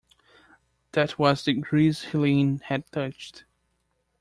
That was the grease Helene had touched.